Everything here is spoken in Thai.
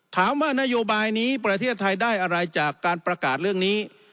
ถามว่านโยบายนี้ประเทศไทยได้อะไรจากการประกาศเรื่องนี้